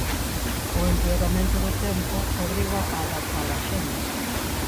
O empeoramento do tempo obriga a adaptar a axenda.